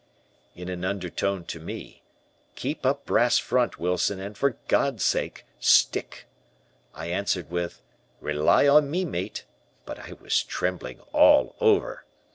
"In an undertone to me, 'Keep a brass front, Wilson, and for God's sake, stick.' I answered with, 'Rely on me, mate,' but I was trembling all over.